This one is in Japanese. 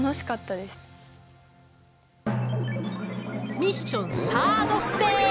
ミッションサードステージ！